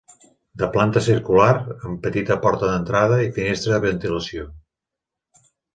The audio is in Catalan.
De planta circular, amb petita porta d'entrada i finestra de ventilació.